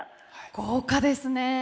豪華ですね。